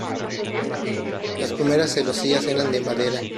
Las primeras celosías eran de madera.